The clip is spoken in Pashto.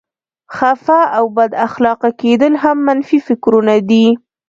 خفه او بد اخلاقه کېدل هم منفي فکرونه دي.